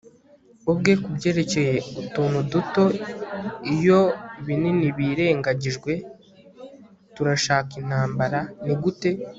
ubwe kubyerekeye utuntu duto iyo binini birengagijwe? turashaka intambara. nigute